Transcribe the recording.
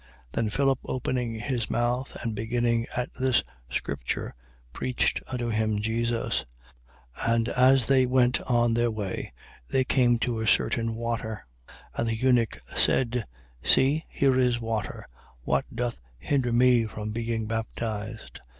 8:35. Then Philip, opening his mouth and beginning at this scripture, preached unto him Jesus. 8:36. And as they went on their way, they came to a certain water. And the eunuch said: See, here is water: What doth hinder me from being baptized?